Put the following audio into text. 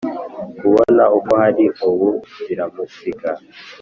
Kubona uko hari ubu biramusiga